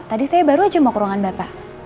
tadi saya baru aja mau ke ruangan bapak